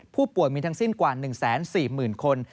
ผู้ป่วยมีทั้งสิ้นกว่า๑๔๐๐๐คน